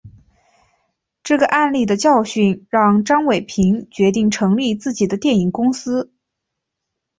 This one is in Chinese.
这个案例的教训让张伟平决定成立自己的电影公司。